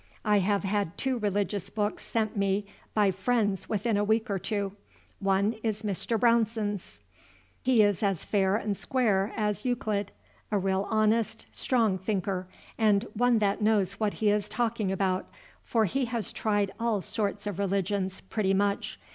I have had two religious books sent me by friends within a week or two. One is Mr. Brownson's; he is as fair and square as Euclid; a real honest, strong thinker, and one that knows what he is talking about, for he has tried all sorts of religions, pretty much.